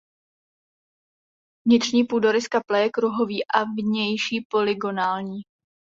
Vnitřní půdorys kaple je kruhový a vnější polygonální.